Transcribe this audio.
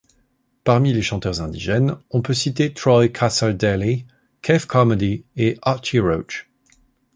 Parmi les chanteurs indigènes, on peut citer Troy Cassar-Daley, Kev Carmody et Archie Roach.